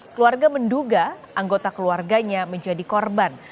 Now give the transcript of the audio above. keluarga menduga anggota keluarganya menjadi korban